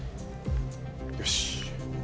よし。